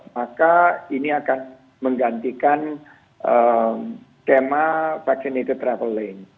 maka ini akan menggantikan tema vtl